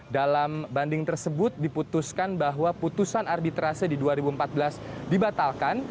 dalam banding tersebut diputuskan bahwa putusan arbitrase di dua ribu empat belas dibatalkan